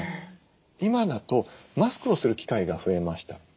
今だとマスクをする機会が増えました。